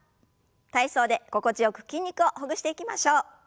体操で心地よく筋肉をほぐしていきましょう。